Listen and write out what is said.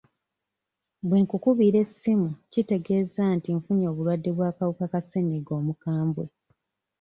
"Bwe nkukubira essimu, kitegeeza nti nfunye obulwadde bw'akawuka ka ssenyiga omukambwe."